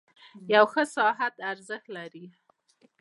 • یو ښه ساعت ارزښت لري.